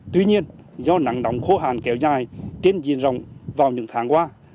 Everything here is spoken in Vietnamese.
tuy nhiên do nắng nóng khô hàn kéo dài trên diên rồng vào những tháng qua